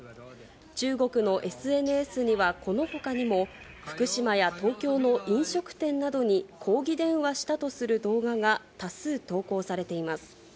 中国のＳＮＳには、このほかにも福島や東京の飲食店などに抗議電話したとする動画が多数投稿されています。